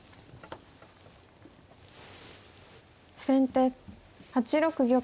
先手８六玉。